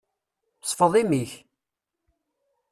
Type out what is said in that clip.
Sfeḍ imi-k!